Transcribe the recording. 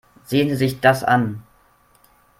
Sehen Sie sich das an.